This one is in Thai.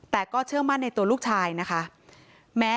แต่ก็เชื่อมั่นในตัวลูกชายนะคะ